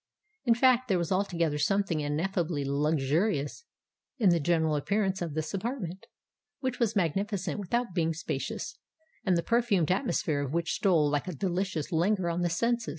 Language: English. In fact, there was altogether something ineffably luxurious in the general appearance of this apartment, which was magnificent without being spacious, and the perfumed atmosphere of which stole like a delicious languor on the senses.